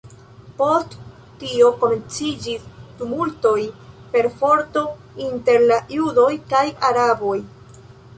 Post tio komenciĝis tumultoj, perforto inter la judoj kaj araboj.